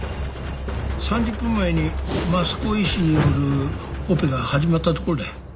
３０分前に益子医師によるオペが始まったところだよ。